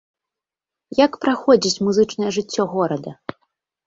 Як праходзіць музычная жыццё горада?